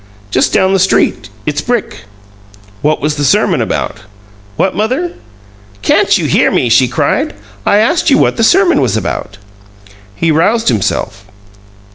"Just down the street. It's brick." "What was the sermon about?" "What, mother?" "Can't you hear me?" she cried. "I asked you what the sermon was about?" He roused himself.